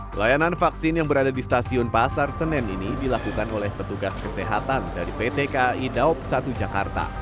pelayanan vaksin yang berada di stasiun pasar senen ini dilakukan oleh petugas kesehatan dari pt kai daob satu jakarta